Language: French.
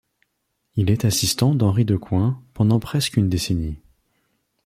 Il est assistant d'Henri Decoin pendant presque une décennie.